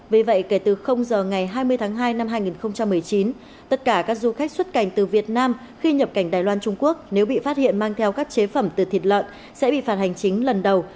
vì vậy kể từ giờ ngày hai mươi tháng hai năm hai nghìn một mươi chín tất cả các du khách xuất cảnh từ việt nam khi nhập cảnh đài loan trung quốc nếu bị phát hiện mang theo các chế phẩm từ thịt lợn sẽ bị phạt hành chính lần đầu